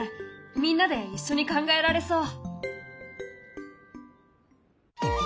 みんなで一緒に考えられそう。